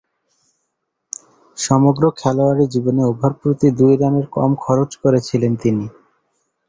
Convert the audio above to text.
সমগ্র খেলোয়াড়ী জীবনে ওভার প্রতি দুই রানের কম খরচ করেছিলেন তিনি।